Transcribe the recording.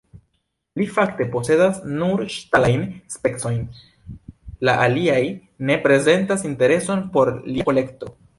Li fakte posedas nur ŝtalajn specojn, la aliaj ne prezentas intereson por lia kolekto.